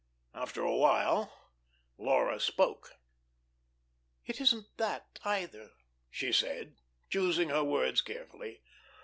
After a while Laura spoke. "It isn't that either," she said, choosing her words carefully.